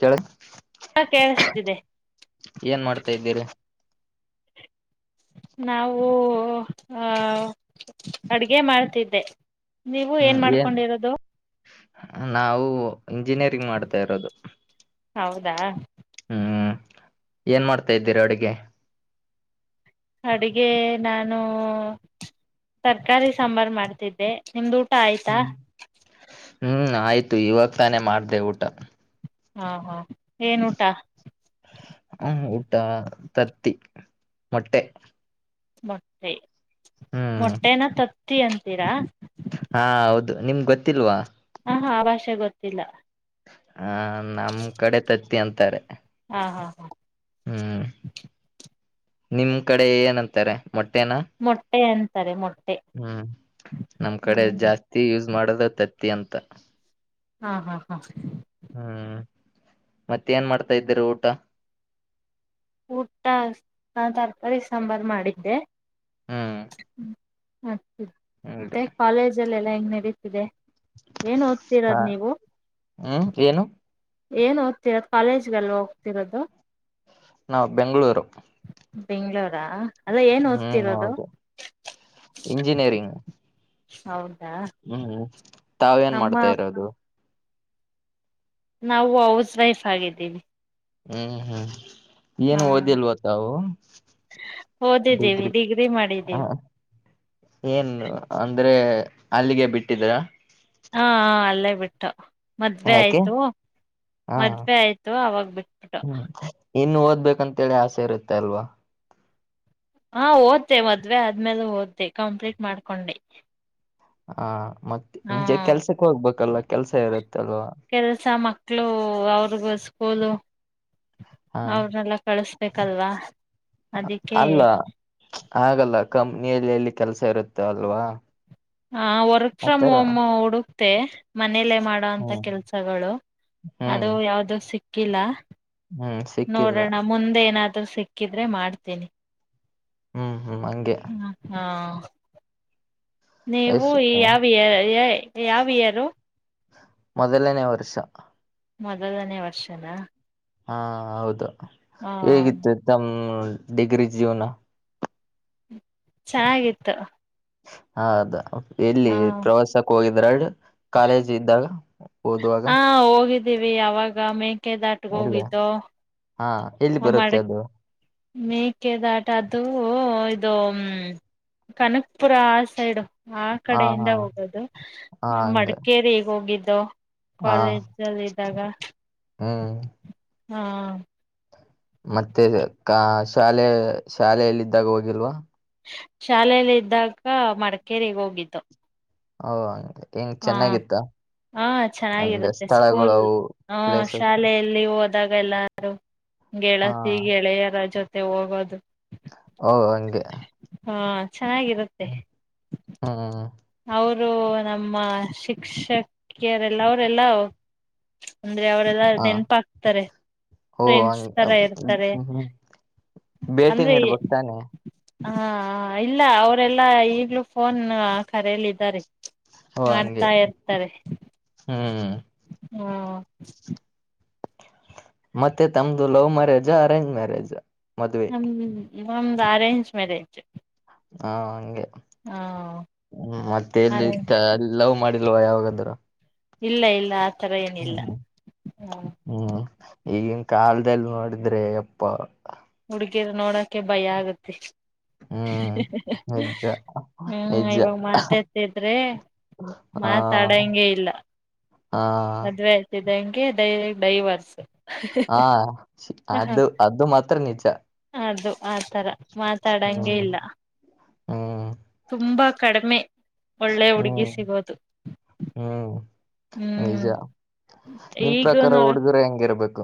ಕೇಳು ಹಾ ಕೇಳಿಸ್ತಿದೆ ಏನ್ ಮಾಡ್ತಾ ಇದ್ದೀರ ನಾವು ಆ ಅಡ್ಗೆ ಮಾಡ್ತಿದ್ದೆ. ನೀವು ಏನ್ ಮಾಡ್ಕೊಂಡಿರೋದು ನಾವು ಇಂಜಿನಿಯರಿಂಗ್ ಮಾಡ್ತಾ ಇರೋದು. ಹೌದಾ ಹ್ಮ್ ಏನ್ ಮಾಡ್ತಾ ಇದ್ದೀರಾ ಅಡುಗೆ ಅಡುಗೆ ನಾನು ತರ್ಕಾರಿ ಸಾಂಬಾರ್ ಮಾಡ್ತಿದ್ದೆ ನಿಮ್ದು ಊಟ್ ಊಟ ಆಯ್ತಾ ಹ್ಮ್ ಹ್ಮ್ ಆಯ್ತು ಇವಾಗ ತಾನೇ ಮಾಡ್ದೆ ಊಟ. ಹಾ ಹಾ ಏನುಟಾ ಟ್ಟ ತತ್ತಿ ಮೊಟ್ಟೆ. ಮೊಟ್ಟೆ ಹ್ಮ್ ಮೊಟ್ಟೆನ ತತ್ತಿ ಅಂತೀರಾ. ಹಾ ಹೌದು ನಿಮ್ಗ ಗೊತ್ತಿಲ್ವಾ. ಹಾ ಹಾ ಆ ಭಾಷೆ ಗೊತ್ತಿಲ್ಲಾ. ಹ ನಮ್ ಕಡೆ ತತ್ತಿ ಅಂತಾರೆ. ಹಾ ಹಾ ಹಾ. ಹ್ಮ್ ನಿಮ್ ಕಡೆ ಏನಂತಾರೆ. ಮೊಟ್ಟೆನಾ ಮೊಟ್ಟೆ ಅಂತ್. ರೆ ಮೋಟ್. ಹ್ಮ್ ನಮ್ ಕಡೆ ಜಾಸ್ತಿ ಯೂಸ್. ಮಾಡದೆ ತತ್ತಿ ಅಂತ. ಹಾ ಹಾ ಹಾ. ಹ್ಮ್ ಮತ್ತೆ ಏನ್ ಮಾಡ್ತಾ ಇದ್ದೀರಿ ಊಟ. ಊಟ ತರಕಾರಿ ಸಾಂಬಾರ್ ಮಾಡಿದ್ದೆ ಹ್ಮ್ ಹ. ಮತ್ತೆ ಕಾಲೇಜಲ ಎಲ್ಲ. ಹೆಂಗ್ ನಡೀತಿದೆ. ಏನ್ ಓದ್ತಿರದ್ ಹ್ಮ್ ನೀವು. ಏನು ಏನ್ ಓದ್ತಿರದು ಕಾಲೇಜ್ಗಲ್ವ ಹೋಗ್ತಿರೋದು. ನಾವ್ ಬೆಂಗಳೂರು. ಬೆಂಗ್ಳೂರಾ. ಅಲ್ಲ ಏನ್ ಹ್ಮ್ ಓದ್ತಿರೋದು ಹೌದು ಇಂಜಿನಿಯರಿಂಗ್. ಹೌದು. ಹ್ಮ್. ತಾವ ಏನ್ ಮಾಡ್ತಾ ಇರೋದು. ನಾವು ಹೌಸ್ ವೈಫ್ ಆಗಿದ್ದೀವಿ. ಹ್ಮ್ ಹ್ಮ್. ಏನು ಹಾ ಓದಿಲ್ವ ತಾವು ಓದಿದ್ದೀವಿ ಡಿಗ್ರಿ ಮಾಡಿದ್ದೀವಿ ಏನು ಅಂದ್ರೆ. ಅಲ್ಲಿಗೆ ಬಿಟ್ಟಿದ್ದೀರಾ. ಹಾ ಅಲ್ಲೇ ಬಿಟ್ಟು. ಮದ್ವೆ ಯಾಕೆ ಆಯ್ತು ಹಾ ಮದ್ವೆ ಆಯ್ತು ಅವಾಗ ಬಿಟ್ಬಿಟ್ಟು. ಹ್ಮ್ ಇನ್ನು ಓದ್ಬೇಕಂತೇಳಿ ಆಸೆ ಇರುತ್ತೆ ಅಲ್ವಾ. ಹಾ ಓದೇ ಮದ್ವೆ ಆದ್ಮೇಲೆ ಓದೇ ಕಂಪ್ಲೀಟ್ ಮಾಡ್ಕೊಂಡೆ. ಹ. ಮತ್ತೆ ಜೆ ಕೆಲ್ಸಕ್ಕೆ ಹೋಗ್ಬೇಕಲ್ಲ. ಕೆಲ್ಸ ಇರುತ್ತೆ. ಕೆಲಸ ಮಕ್ಳು ಅವ್ರಿಗೂಸ್. ಸ್ಕೂಲು. ಹಾ ಅವ್ರನ್ನಲ್ಲ ಕಳ್ಸಬೆಕಲ್ವಾ ಅದಕ್ಕೆ. ಹಾಗಲ್ಲ ಕಂಪ್ನಿಯಲ್ಲಿ ಎಲ್ಲಿ ಕೆಲ್ಸ ಇರುತ್ತೆ ಅಲ್ವಾ. ಹಾ ವರ್ಕ್ ಫ್ರಮ್ ಆತರ ಹೋಮ್ ಹುಡುಕ. ತೆ ಮನೇಲ್ಲ ಮಾಡುವಂತ ಹ್ಮ್ ಕೆಲ್ಸಗಳು ಹ್ಮ್ ಅದು ಯಾವ್ದ ಸಿ ಕಿಲ ಹ್ಮ್ ಸಿಕ್ಕಿಲ್ಲ ನೋಡೋಣ ಮುಂದೆ ಏನಾದ್ ಹತ್ರ ಸಿಕ್ಕಿದ್ರೆ ಮಾಡ್ತೇನಿ ಹ್ಮ್ ಹ್ಮ್ ಹಂಗೆ ಹ ಹಾ [inaudible] ನೀವು ಎಷ್ಟ ಯಾವ್ ಯೇ ಯೇ ಯಾವ ಇಆರ್ ಮೊದಲನೇ ವರ್ಷ ಮೊದಲನೇ ವರ್ಷನಾ ಹಾ ಹೌದು ಹೇಗಿತ್ತು ತಮ್ಮ ಡಿಗ್ರಿ ಜೀವನ ಚೆನ್ನಾಗಿತ್ತು ಆ ಹೌದು ಹ ಎಲ್ಲಿ ಪ್ರವಾಸಕ್ಕೆ ಹೋಗಿದ್ರ ಕಾಲೇಜ್ ಇದ್ದಾಗ ಓದುವಾಗ ಹಾ ಹೋಗಿದ್ದ ದಿವೆ ಆವಾಗ ಮೇ ಕ್ಕೆ ದಾಟ ಅಲ್ಲ ಹೋಗಿದ್ದು ಹಾ ಎಲ್ಲಿ ಬರುತ್ತೆ ಅದು ಮೇಕೆದಾಟ ಅದು ಇದು ಕನಕಪುರ ಸೈಡು ಆ ಹಾ ಕಡೆಯಿಂದ ಹಾ ಹೋಗೋದು ಹಾ ಹಂಗೆ ಮಡಿಕೇರಿ ಈಗ ಹೋಗಿದ್ದ್ ದೂ ಕಾಲೇಜಲ್ಲಿ ಇದ್ದಾಗ ಹ್ಮ ಹ್ಮ ಮತ್ತೆ ಕ ಶಾಲೆ ಶಾಲೆಯಲ್ಲಿಿದ್ದಾಗ ಹೋಗಿಲ್ವಾ ಶಾಲೆಯಲ್ಲಿ ಇದ್ದಾಗ ಮಡಿಕೇಗ್ ಹೋಗಿದ್ದು ಹಓ ಹಾಂಗೆ ಹಾ ಹ ಅಂದ್ರೆ ಚೆನ್ನಾಗಿರುತ್ತೆ ಸ್ಥಳಗಳು ಸ್ಕೂಲ್ ಅವು ಹ ಪ್ಲೇಸಸ್ ಶಾಲೆಯಲ್ಲಿ ಹದ ಇದ್ದಾಗ ಎಲ್ಲಾರು ಹಾ ಗೆಳತಿ ಗೆಳೆಯರ ಜೊತೆ ಮತ್ತೆ ಹೋಗೋದು ಹಓ ಹಂಗೆ ಹಾ ಚೆನ್ನಾಗಿರುತ್ತೆ ಹ್ಮ್ ಅವರು ನಮ್ಮ ಶಿಕ್ಷೆ ಕೆ ಎಲ್ಲರ್ ಎಲ್ಲವೂ ಅಂದ್ರೆ ಅವರೆಲ್ಲ ಹ ನೆನಪ ಹಾಕ್ತಾರೆ ಓ ಫ್ರೆಂಡ್ಸ್ ಹಂಗೆ ತರ ಇರ್ತಾರೆ ಹ್ಮ್ ಭೇಟಿ ಅಂದ್ರೆ ನೀಡ್ಬೇಕ್ ತಾನೆ ಹಾ ಇಲ್ಲ ಅವರೆಲ್ಲಾ ಈಗ್ಲೂ ಫೋನ್ ಕರೆಯಲ್ಲ ಇದಿದ್ದಾರೆ ಓ ಹಂಗೆ ಮಾಡ್ತಾ ಇರ್ತಾರೆ ಹ್ಮ್ ಹಾ ಮತ್ತೆ ತಮ್ದು ಲವ್ ಮ್ಯಾರೇಜ್ ಅರೆಜ್ ಮ್ಯಾರೇಜ್ ಮದ್ವೆ ಹ್ಮ್ ಹ್ಮ್ ನ ಅರೇಂಜ್ ಮ್ಯರೆಜ್ ಹಾ ಹಂಗೆ ಹ್ಮ ಮತ್ತೆ ಎಲ್ಲಿ ಅರೇಂಜ್ ಅಲ್ಲಿ ಲವ್ ಮಾಡಿ ಲವಾಗಾದರ ಇಲ್ಲ ಇಲ್ಲ ಥರ ಏನಿಲ್ಲ ಹಾ ಹ್ಮ್ ಈಗಿನ ಕಾಲದಲ್ಲಿ ನೋಡಿದ್ರೆ ಅಪ್ಪ ಹುಡುಗಿಯರು ನೋಡಕೆ ಭಯ ಆಗತ್ತೆ ಹ್ಮ್ ನಿಜ ಹ್ಮ್ ನಿಜ ಇವಾಗ ಮಾತಾತಿದ್ರೆ ಹಾ ಮಾತಾಡಂಗೆ ಇಲ್ಲ ಹಾ ಮದ್ವೆ ಆಯ್ತಿದೆ ಹೆಂಗ ಡೈವರ್ಸ್ ಹಾ ಹ ಅದು ಅದು ಮಾತ್ರ ನಿಜ ಅದು ಆತರ ಮಾತಾಡಂಗಗೆ ಹ್ಮ್ ಇಲ್ಲ ಹ್ಮ್ ತುಂಬಾ ಕಡಿಮೆ ಒಳ್ಳೆ ಹುಡುಗಿ ಹ್ಮ್ ಸಿಗೋದು ಹ್ಮ್ ನಿಜ ಹ್ಮ್ ನಿಮ ಪ್ರಕಾರ ಈಗನು ಹುಡುಗ್ರ ಹೆಂಗೆ ಇರಬೇಕು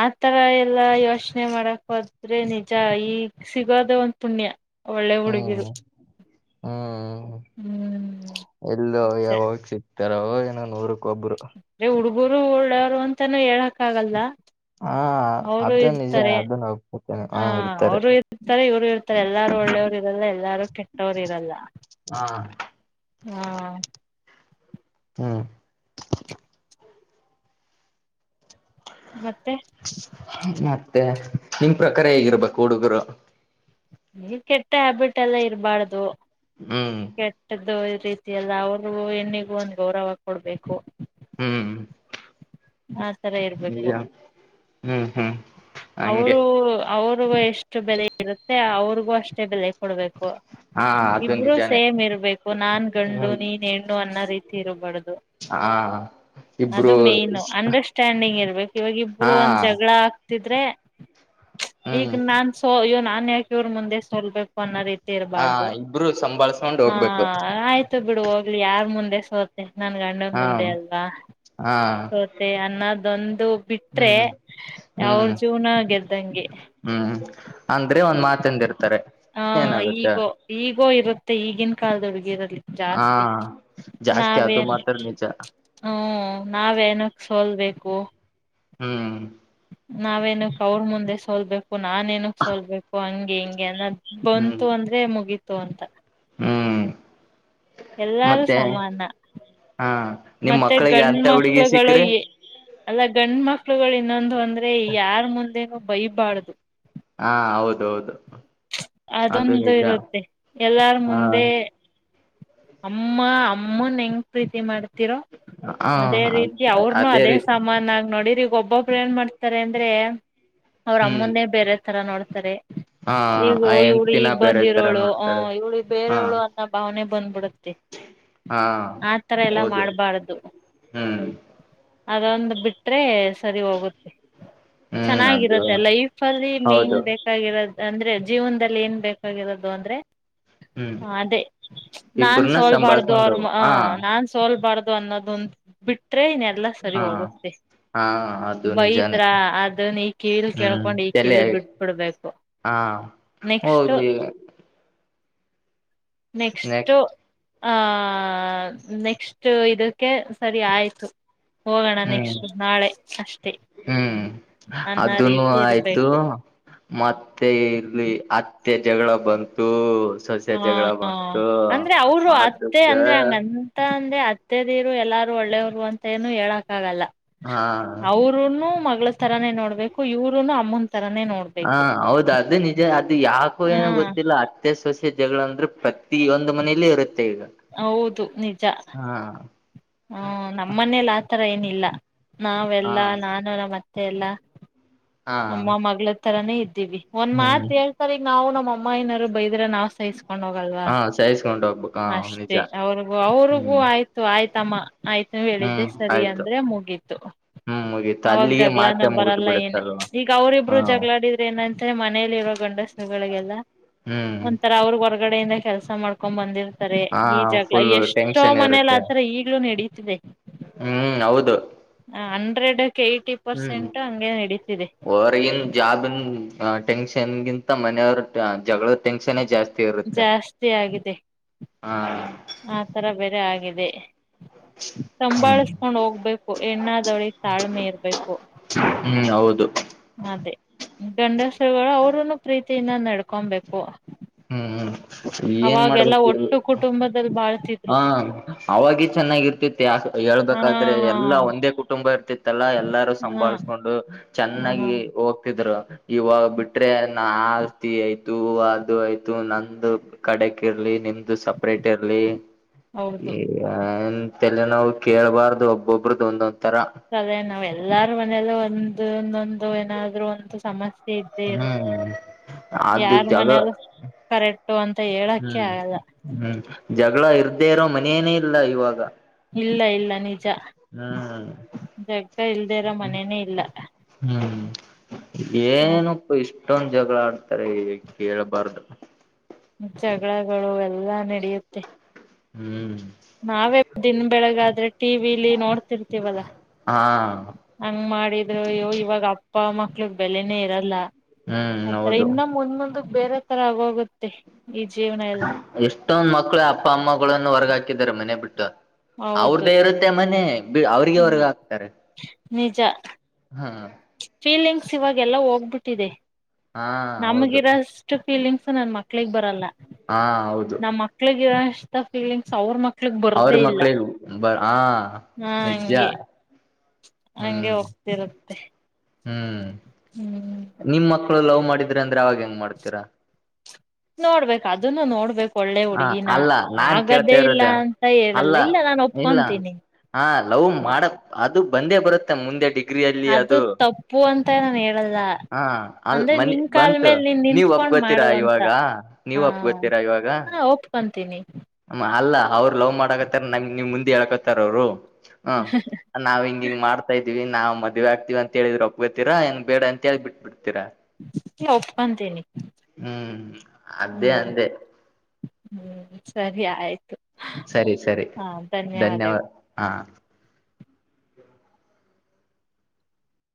ಆತರ ಎಲ್ಲ ಯೋಚನೆ ಮಾಡಕ ಹೋದ್ರೆ ನಿಜ ಈಗ್ ಸಿಗೋದ ಒಂದ ಪುಣ್ಯ ಒಳ್ಳೆ ಹುಡುಗಿರು ಹ್ಮ್ ಹ್ಮ್ ಹ್ಮ್ ಎಲ್ ನಿಜ ಯಾವ ಹಚಿ ತರ ಏ ನೂರು ಕೊಬ್ಬರು ಗುರುಳ್ಳವರು ಅಂತಾನೂ ಹೇಳಕ್ ಆಗಲ್ದ ಹಾ ಅವರು ಅದು ನಿಜ ಇರ್ತಾರೆ ಅದನ್ನ ಒಪ್ಕೋತೇನೆ ಹಾ ಹ ಇರ್ತಾರೆ ಅವರು ಇರ್ತಾರೆ ಇವರು ಇರ್ತಾರೆ ಎಲ್ಲಾರು ಒಳ್ಳೆಯವರು ಇರಲ್ಲ ಎಲ್ಲಾರು ಕೆಟ್ಟವರು ಇರಲ್ಲ ಹಾ ಹಾಂ ಹ್ಮ್ ಮತ್ತೆ ಮತ್ತೆ ನಿಮ್ ಪ್ರಕಾರ ಹೇಗಿರ್ಬೇಕು ಹುಡುಗರು. ನೀ ಕೆಟ್ಟ ಹ್ಯಾಬಿಟ್ ಎಲ್ಲ ಇರಬಾರ್ದು. ಹ್ಮ್ ಕೆಟ್ಟದ್ದು ರೀತಿಯ ಎಲ್ಲ ಅವರು ಹೆಣ್ಣಿಗೂ ಒಂದ ಗೌರವ ಕೊಡ್ಬೇಕು. ಹ್ಮ್ ಆತರ ಇರ್ಬೇಕು. ನಿಜ ಹ್ಮ್ ಹ್ಮ್ ಹಂಗೆ ಅವರು ಅವರು. ಅವ್ರಗೂ ಎಷ್ಟು ಬೆಲೆ ಇರುತ್ತೆ ಅವ್ರಿಗೂ ಅಷ್ಟೇ ಬೆಲೆ ಕೊಡ್ಬೇಕು ಹಾ ಅದು ಇಬ್ರು ನಿಜಾನೇ ಸೇಮ್ ಇರ್ಬೇಕು ನಾನ್ ಗಂಡು ಹ್ಮ್ ನೀನ್ ಹೆಣ್ಣು ಅನ್ನೋ ರೀತಿ. ತಿರುಬಡ್ದು. ಹಾ ಇಬ್ರು- ಮೇನ್ ಅಂಡರ್ಸ್ಟ್ಯಾಂಡಿಂಗ್ ಇರ್ಬೇಕು ಇವಾಗ ಇಬ್ರು ಹಾ ಒಂದ ಜಗಳ. ಆಡ್ತಿದ್ರೆ. ಹ್ಮ್ ಈಗ ನಾನ ಸೊ ಅಯ್ಯೋ ನಾನ ಮನ್ಯ ಇವರ್ ಮುಂದೆ ಸೋಲ್ಬೇಕು ಅನ್ನೋ ರೀ ಹಾ ಇಬ್ರು ಸಂಭಾಳ್ಸ್ಕೊಂಡ್ ಹೋಗ್ಬೇಕ. ತು ಬಿಡು ಹೋಗ್ಲಿ ಯಾರ್ ಮುಂದೆ ಸೋತೆ. ನನ್ ಗಂಡಂದ ಹಾ ಮುಂದೆ ಅಲ್ವಾ ಹಾ ಸೋತೆ ಅನ್ನದ. ಒಂದು ಬಿಟ್ರೆ. ಹ್ಮ್ ಅವ್ರ ಹ್ಮ್ ಜೀವನ ಗೆದ್ದಂಗೆ. ಹ್ಮ್ ಅಂದ್ರೆ ಒಂದ್ ಮಾತಿಂದ ಇರ್ತಾರೆ ಏನಾಗುತ್ತ. ಮತ್ತೆ ಈಗಿನ ಕಾಲದ ಹುಡಗಿರ ಹಾ ಜಾಸ್ತಿ ಅದು ಮಾತ್ರ ನಿಜ. ಹ್ಮ ನಾವೇನಕ್ ಸೋಲ್ಬೇಕು. ಹ್ಮ್ ನಾವೇನಕ್ ಅವ್ರ ಮುಂದೆ ಸೋಲ್ಬೇಕು ನಾನೇನಕ್ ಸೋಲ್ಬೇಕು ಹಂಗೆ ಹಿಂಗೆ ಅನ್ನದ. ಹ್ಮ್ ಬಂತು ಅಂದ್ರೆ ಮುಗೀತ. ತುಅಂತ. ಹ್ಮ್ ಎಲ್ಲಾರು ಮತ್ತೆ ಸಮಾನ. ಹಾ ನಿಮ್ ಮತ್ತೆ ಮಕ್ಳಿಗೆ ಗಂಡ ಅಂತ ಹುಡುಗಿ ಮಕ್ಳುಗಳು ಸಿಕ್ಕ್ರೆ ಎ ಅಲ್ಲ ಗ ಹೆಣ್ಮಕ್ಳುಗಳು ಇನ್ನೊಂದು ಅಂದ್ರೆ ಯಾರ್ ಮುಂದೆನು ಬೈಬಾರ್ದು ಹಾ ಹೌದ ಹೌದು ಅದೊಂದು ಇರುತ್ತೆ ಎಲ್ಲಾರ ಹಾ ಮುಂದೆ ಅಮ್ಮ ಅಮ್ಮನ್ ಹೆಂಗ್ ಪ್ರೀತಿ ಮಾಡ್ತ ರೋ ಅದೇ ಹ ರೀತಿ ಅವ್ರನು ಅದೇ ಸಾಮಾನ ಆಗ ನೋಡಿರಿ ಗಬ್ಬ [unintelligible] ಏನ್ ಮಾಡ್ತಾರೆ ಅಂದ್ರೆ ಅವ್ರ ಹ್ಮ್ ಅಮ್ಮಂದೆ ಬೇರೆ ತರ ನೋಡ್ತಾರೆ ಸಾರೆ ಹಾ ಈಗೋ ಆ ಇವಳು ಹೆಣ್ತಿನ ಈಗ್ ಬೇರೆ ತರ ಬಂದಿರೋಳು ಆ ನೋಡ್ತಾಳೆ ಇವ್ಳಿ ಹಾ ಬೇರೆಯವಳು ಅನ್ನೋ ಭಾವನೆ ಬಂದ್ಬಿಡತ್ತೆ ಹಾ ಆತರ ಎಲ್ಲಾ ಹೌದು ಮಾಡ್ಬಾರ್ದು ಹ್ಮ್ ಅದೊಂದು ಬಿಟ್ರೆ ಸರಿ ಹೋಗುತ್ತೆ ಹ್ಮ್ ಅದು ಚೆನ್ನಾಗಿರತ್ತೆ ಲೈಫ್ ಅಲ್ಲಿ ಮೇನ್ ಹೌದು ಬೇಕಾಗಿರೋ ಅಂದ್ರೆ ಜೀವನದಲ್ಲಿ ಏನ್ ಬೇಕಾಗಿರೋದು ಅಂದ್ರೆ ಹ್ಮ್ ಅದೇ ನಾನ್ ಇಬ್ರನ್ನ ಸೋಲ್ಬಾರ್ದು ಸಂಭಾಳ್ಸ್ಕೊಂಡ ಅವರು ಹ ಹಾ ನಾನ್ ಸೋಲ್ಬಾರ್ದು ದೊನ್ನ ದೊನ್ ಬಿಟ್ಟ ಬಿಟ್ರೆ ಎಲ್ಲಾ ಸರಿ ಹಾ ಹೋಗುತ್ತೆ ಹಾ ಅದು ಬೈದ್ರ ನಿಜಾನೇ ಅದನ್ನ ಈ ಕಿವಿಲ್ ಹ್ಮ್ ಕೇಳ್ಕೊಂಡ್ ಈ ತಲೆ ಕಿವಿಲ್ ಬಿಡ್ಬಿಡ್ಬೇಕು ಹಾ ಹೋಗಬೇಕಿ ನೆಕ್ಸ್ಟ್ ಆ ನೆಕ್ಸ್ಟ್ ಇದಕ್ಕೆ ಸರಿ ಆಯ್ತು ಹೋಗೋಣ ಹ್ಮ್ ನೆಕ್ಸ್ಟ್ ನಾಳೆ ಅಷ್ಟೆ ಹ್ಮ್ ಅನ್ನ ಅದನು ರೀತಿ ಆಯ್ತು ಇರ್ಬೇಕು ಮತ್ತೆ ಇಲ್ಲಿ ಹತ್ತೆ ಜಗಳ ಬಂತು ಸೊಸೆ ಹಾ ಜಗಳ ಬಂತು ಅಂದ್ರೆ ಅವರು ಅತ್ತೆ ಅದಕ್ಕೆ ಅಂದ್ರೆ ಹಂಗಂತ ಅಂದೆ ಹತ್ತೆದೀರು ಎಲ್ಲಾರೂ ಒಳ್ಳೆಯವ್ರು ಅಂತ ಏನು ಹೇಳಕ್ಕ ಆಗಲ್ಲ ಹಾ ಅವರುನು ಮ ತರಾನೇ ನೋಡ್ಬೇಕು ಇವರುನು ಅಮ್ಮ ಹ ಹೌದ ಅದು ನಿಜ ಅದು ಯಾಕು ಹಾ ಏನು ಗೊತ್ತಿಲ್ಲ ಅತ್ತೆ ಜಗಳ ಅಂದ್ರೆ ಪ್ರತಿಯ ಒಂದು ಮನೇಲಿ ಇರುತ್ತೆ ಈಗ ಹೌದು ನಿಜ ಹಾ ಹ್ಮ ನಮ್ಮನೇಲಿ ಆತರ ನೇ ಇಲ್ಲ ಹಾ ನಾವೆಲ್ಲಾ ನಾನು ನಮ್ಮ ಅತ್ತೆ ಎಲ್ಲ ಹಾ ಅಮ್ಮ ಮಗಳ ತರಾನೇ ಇದ ಒಂದ್ ಹ್ಮ್ ಮಾತ್ ಏಳ್ ಸರಿ ನಾವು ನಮ್ಮ ಅಮ್ಮ ಏನಾರರು ಬೈ ಇದ್ರೆ ನಾವ್ ಸಹಿಸ್ಕೊಂಡ್ ಹೋಗಲ್ವಾ ಹಾ ಸಹಿಸ್ಕೊಂಡ್ ಹೋಗ್ಬೇಕು ಹ ನಿಜ ಅಷ್ಟೇ ಅವ್ರಿಗೂ ಅವ್ರಿಗೂ ಹ್ಮ್ ಆಯ್ತು ಆಯ್ತಮ್ಮ ಆಯ್ತು ಹೇಳಿದ್ದೆ ಹ್ಮ್ ಸರಿ ಆಯ್ತು ಅಂದ್ರೆ ಮುಗೀತು ಹ್ಮ್ ಮುಗೀತು ಅವಾಗ ಅಲ್ಲಿಗೆ ಜಗಳಾನ ಮಾತೆ ಮುಗ್ದು ಬರಲ್ಲ ಏನು ಬಿಡುತ್ತಲ್ವಾ ಈಗ ಅವರಿಬ್ರು ಹಾ ಜಗಳಾಡಿದ್ರ ಏನಂತ ಮನೇಲಿ ಇರೋ ಗೊಂಡ ಗಳಲ್ಲ ಹ್ಮ್ ಒಂತರಾ ಅವ್ರ ಗಡೆಯಿಂದ ಕೆಲಸ ಮಾಡ್ಕೊಂಡ್ ಬಂದಿದ್ ಹಾ ಈ ಜಾಗಲ ಫುಲ್ಲು ಎಷ್ಟೋ ಟೆನ್ಷನ್ ಮನೇಲಿ ಇರುತ್ತೆ ಆತಾರೆ ಈಗ್ಲೂ ನಡೀ [unintelligible] ಹ್ಮ್ ಹೌದು ಟ್ರೇಡಡ್ ಏಟಿ ಪರ್ಸೆಂಟ್ ಹಂಗೆ ನಡೀತಿದೆ ಹೊರ್ಗನ್ ಜಾಬನ್ ಟೆನ್ಷನ್ಗಿಂತ ಮನೆಯವ ಜಗಳದ ಟೆನ್ಶನ್ ಜಾಸ್ತಿ ಇರುತ್ತೆ ಜಾಸ್ತಿ ಆಗಿದೆ ಹಾ ಆ ತರ ಬೇರೆ ಆಗ ಹದೆ ಹ್ಮ್ ಸಂಂಬಾಳಿಸ್ಕೊಂಡ್ ಹೋಗ್ಬೇಕು ಎಣ್ಣಾದಳಿ ತಾಳ್ಮೇರ್ಬೇಕು ಹ್ಮ್ ಹೌದು ಅದೇ ಗಂಡಸರುಗಳು ಅವರುನು ಪ್ರೀತಿಯಿಂದ ನಡ್ಕೊಬೇಕು ಹ್ಮ್ ಹ್ಮ್ ಏನ್ ಅವಾಗೆಲ್ಲ ಮಾಡ್ಬೇಕ ಒಟ್ಟು ಕುಟುಂಬದಲ್ಲಿ ಹ ಬಾಳ್ತಿದ್ರು ಅವಾಗೆ ಚೆನ್ನಾಗಿರ್ತಿತಿ ಹಾ ಹೇಳ್ಬೇಕಾದ್ರೆ ಎಲ್ಲಾ ಒಂದೇ ಕುಟುಂಬ ಇರ್ತಿತಿ ತ್ತಲ್ಲಾ ಎಲ್ಲಾರು ಹಾ ಸಂಭಾಳ್ಸ್ಕೊಂಡು ಹಾ ಚೆನ್ನಾಗಿ ಹೋಗ್ತಿದ್ರು ಇವಾಗ ಬಿಟ್ರೆ ನ ಆಸ್ತಿ ಐತಿ ಥೂ ಅದು ಇದು ಆಯ್ತು ನಂದು ಕಡೆ ಕ ಇರ್ಲಿ ನಿಮ್ದ ಇದು ಸಪ್ರೇಟ್ ಇರಲಿ ಹೌದು ತಲೆ ನಾವು ಕೇಳ್ಬಾರ್ದು ಒಬ್ಬೊಬದ್ದು ಒಂದೊ ಸದೇ ನಾವ ಎಲ್ಲಾರೂ ಮನೆಯಲ್ಲ ಒಂದು ಒಂದೊಂದು ಏನಾದ್ರು ಒಂದು ಸಮಸ್ಯೆ ಇದ್ದೇ ಇರುತ್ತೆ ಹ್ಮ್ ಅದು ಯಾರ ಜಗಳ ಮನೆಯಲ್ಲ ಕರೆಕ್ ಬಿಟ್ಟು ಅಂತ ಹೇಳಕ್ಕೆ ಹ್ಮ್ ಆಗಲ್ಲ ಹ್ಮ್ ಜಗಳ ಇರ್ದೇ ಇರೋ ಮನನೇ ಇಲ್ಲ ಇವಾಗ ಇಲ್ಲ ಇಲ್ಲ ನೀಜ ಹ್ಮ್ ಇಲ್ದೇರ ಮನೇನೇ ಇಲ್ಲ ಹ್ಮ್ [inaudible] ಏನಪ್ಪ ಇಷ್ ಎಷ್ಟೊಂದು ಜಗಳ ಆಡ್ತಾರೆ ಕೇಳಬಾರ್ದ ಜಗಳಗಳು ಎಲ್ಲಾ ನಡೆಯುತ್ತೆ ಹ್ಮ್ ನಾವೇ ದಿನ್ ಬೆಳಗಾದ್ರೆ ಟಿವ ವಿಲಿ ನೋಡ್ತಿರ್ತವಲ್ಲ ಹಾ ಹಂಗ್ ಮಾಡಿದ್ರ ಇವಾಗ ಅಪ್ಪ ಮಕ್ಳಗ್ ಬೆಲೆನೇ ಇರಲ್ಲ ಹ್ಮ್ ಆತರ ಹೌದು ಇನ್ನ ಮುಂದೊಂದು ಬೇರೆ ತರ ಆಗೋಗುತ್ತೆ ಈ ಜೀವನ ಎಲ್ಲ ಎಷ್ಟೊಂದ್ ಮಕ್ಕಳು ಅಪ್ಪ ಅಮ್ಮಗಳನ್ನು ಹೊರ್ಗ ಹಾಕಿದ್ ಮನೆೇ ಬಿಟ್ಟು ಹೌದು ಅವ್ರ್ದೇ ಇರುತ್ತೆ ಮನೆ ಹ್ಮ್ ಅವ್ರಿಗೆವರ್ಗ ಹಾಕ್ತಾರೆ ನಿಜ ಹಾ ಫೀಲಿಂಗ್ಸ್ ಇವಾಗೆಲ್ಲ ಹೋಗ್ಬಿಟ್ಟಿದೆ ಹಾ ಹೌದು ನಮಗಿರೋಷ್ಟು ಫೀಲಿಂಗ್ಸ್ ನನ್ ಮಕ್ ಕ್ಲಿಕ್ ಬರಲ್ಲ ಹಾ ಹೌದು ನಮ್ಮ ಮಕ್ಳಿಗೆ ಫೀಲಿಂಗ್ಸ್ ಅವ್ರ ಮಕ್ಕ ಅವ್ರ ಮಕ್ಳ ಇಲ್ ಬ ಹಾ ಹ ನಿಜ್ಜಾ ಹಂಗೆ ಹೋಗ್ತಿರುತ್ತೆ ಹ್ಮ್ ಹ್ಮ್ ನಿಮ್ ಮಕ್ಳು ಲವ್ ಮಾಡಿದ್ರೆ ಅಂದ್ರೆ ಅವಾಗ ಹೆಂಗ್ ಮಾಡ್ತೀರ ನೋಡ್ಬೇಕು ಅದನ್ನು ನೋಡ್ಬೇಕು ಒಳ್ಳೆ ಹ ಹುಡುಗಿನ ಅಲ್ಲ ನಾನ್ ಕೇಳ್ತಾ ಆಗದೇ ಇಲ್ಲ ಇರೋದ ಅಂತ ಹೇಳಲ್ಲ ಅಲ್ಲ ಇಲ್ಲ ನಾನು ಇಲ್ಲ ಒಪ್ಕೊಂತೀನಿ ಹಾ ಲವ್ ಮಾಡಕ್ ಅದು ಬಂದೇ ಬರುತ್ತೆ ಮುಂದೆ ಡಿ ಗ್ರಿಯಲ್ಲಿ ಅದು ತಪ್ಪು ಅಂತ ನಾನ್ ಹೇಳಲ್ಲ ಹಾ ಅ ಅಂದ್ರೆ ಮನಿ ನಿನ್ ಕಾಲ್ ಬಂತು ಮೇಲೆ ನೀನ್ ನೀವ್ ಒಪ್ ನಿಂತ್ಕೊಂಡ್ ಗೊತ್ತೀರಾ ಮಾಡು ಅಂತ ಇವಾಗ ನೀವ ಒಪ್ ಗೊತ್ತೀರಾ ಇವಾಗ ಓಪ್ಕಂತೀನಿ ಅಲ್ಲ ಅವ್ರು ಲವ್ ಮಾಡಕತ್ತಾರ ನಂಗ ನೀವ್ ಮುಂದೆ ಹೇಕತಾರ ಅವ್ರು ಹ್ಮ ನಾವ್ ಹಿಂಗ ಹಂಗ ಮಾಡ್ತಾ ಇದ ಇದವಿ ನಾ ಮದ್ವೆ ಆಗ್ತತಿವಿ ಅಂತೇಳಿದ್ರೆೊಬೇರಾಏನ್ ಬೇಡ ಅಂತ ಹೇಳ್ ಬಿಬಿ ಒಪ್ಕೊಂತೀನಿ [unintelligible] ಹ್ಮ್ ಅದೇ ಅಂದೆ ಹ್ ಸರಿ ಆ ಸರಿ ಸರಿ ಧನ್ಯವಾದ ಧನ್ಯವಾದಗಳು ಹಾ